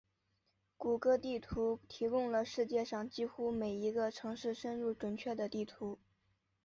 谷歌地图提供了世界上几乎每一个城市深入准确的地图。